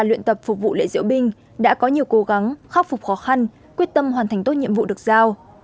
luyện tập phục vụ lễ diễu binh đã có nhiều cố gắng khắc phục khó khăn quyết tâm hoàn thành tốt nhiệm vụ được giao